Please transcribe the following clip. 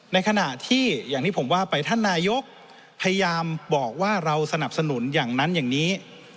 ในขณะที่อย่างที่ผมว่าไปท่านนายกพยายามบอกว่าเราสนับสนุนอย่างนั้นอย่างนี้